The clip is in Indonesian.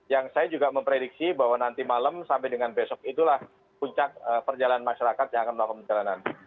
yang saya juga memprediksi bahwa nanti malam sampai dengan besok itulah puncak perjalanan masyarakat yang akan melakukan perjalanan